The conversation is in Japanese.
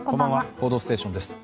「報道ステーション」です。